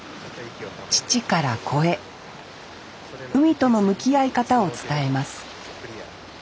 父から子へ海との向き合い方を伝えます